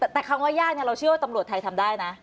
แต่คำว่ายากเราเชื่อว่าตำรวจไทยทำได้นะ